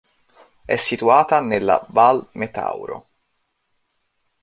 È situata nella Val Metauro.